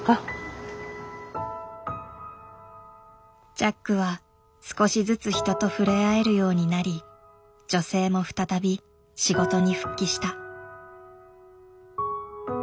ジャックは少しずつ人と触れ合えるようになり女性も再び仕事に復帰した。